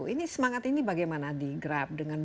jadi semangat ini bagaimana digrab dengan